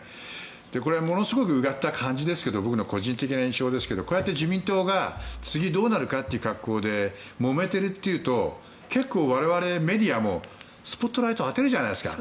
これはものすごくうがった感じですけど僕の個人的な印象ですがこうやって自民党が次どうなるかという格好でもめているというと結構我々メディアもスポットライトを当てるじゃないですか。